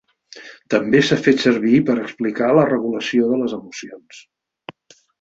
També s'ha fet servir per a explicar la regulació de les emocions.